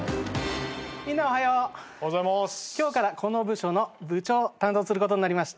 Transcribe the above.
今日からこの部署の部長を担当することになりました。